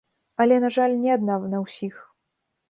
Але, на жаль, не адна на ўсіх.